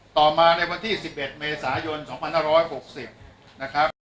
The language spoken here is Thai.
ต่อมาในวันที่๑๑เมษายน๒๕๖๐นะครับ